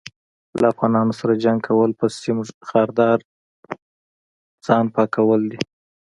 له افغانانو سره جنګ کول په سيم ښاردار کوونه پاکول دي